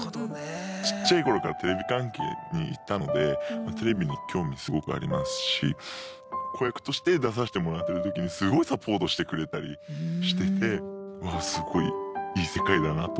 ちっちゃい頃からテレビ関係にいたのでテレビに興味すごくありますし子役として出さしてもらってる時にすごいサポートしてくれたりしててわあすごいいい世界だなと思ったので。